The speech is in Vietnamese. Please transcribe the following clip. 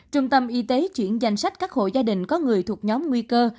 trung tâm y tế chuyển danh sách các hộ gia đình có người thuộc nhóm nguy cơ